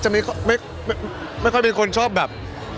ไม่ค่อยเป็นคนชอบแบบ